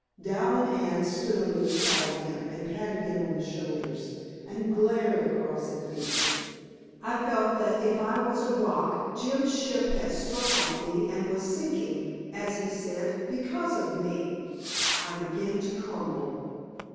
Dal and Anne stood on each side of him and patted him on the shoulders and glared across at me. I felt that if I was a rock, Jim's ship had struck on me and was sinking, as he said, because of me. I began to crumble.